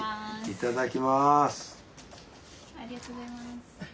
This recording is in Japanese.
いただきます。